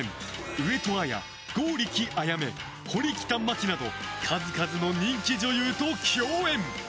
上戸彩、剛力彩芽、堀北真希など数々の人気女優と共演。